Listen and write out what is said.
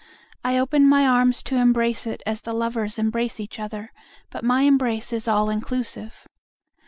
I open my arms to embrace it as the lovers embrace each other, but my embrace is all inclusive.